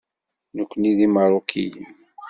Nekkni d Imeṛṛukiyen.